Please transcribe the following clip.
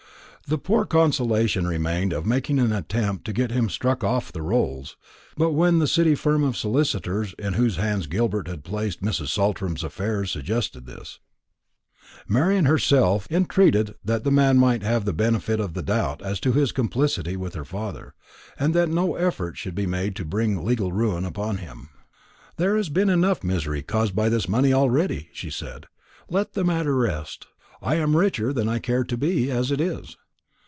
The poor consolation remained of making an attempt to get him struck off "the Rolls;" but when the City firm of solicitors in whose hands Gilbert had placed Mrs. Saltram's affairs suggested this, Marian herself entreated that the man might have the benefit of the doubt as to his complicity with her father, and that no effort should be made to bring legal ruin upon him. "There has been enough misery caused by this money already," she said. "Let the matter rest. I am richer than I care to be, as it is."